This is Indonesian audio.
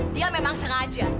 dia memang sengaja